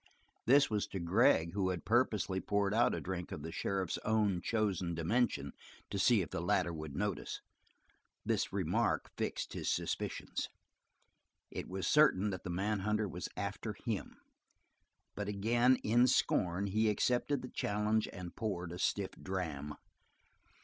This was to Gregg, who had purposely poured out a drink of the sheriff's own chosen dimension to see if the latter would notice; this remark fixed his suspicions. It was certain that the manhunter was after him, but again, in scorn, he accepted the challenge and poured a stiff dram.